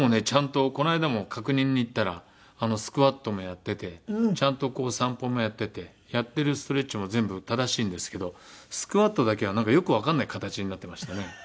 この間も確認に行ったらスクワットもやっててちゃんと散歩もやっててやってるストレッチも全部正しいんですけどスクワットだけはよくわかんない形になってましたね。